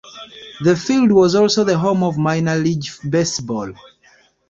The field was also the home of minor-league baseball.